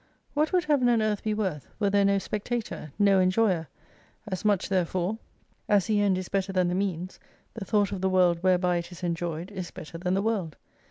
What would Heaven and Earth be worth, were there no spectator, no enjoyer ? As much therefore as the end H3 is better than the means, the thought of the >)(rorld whereby it is enjoyed is better than the World.